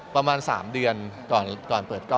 ประมาณ๓เดือนก่อนเปิดกล้อง